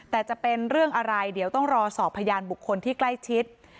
แต่จะเป็นเรื่องอะไรเดี๋ยวต้องรอสอบพยานบุคคลที่ใกล้ชิด